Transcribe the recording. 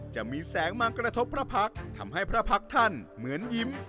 จะมีแสงมากระทบพระพักษ์ทำให้พระพักษ์ท่านเหมือนยิ้ม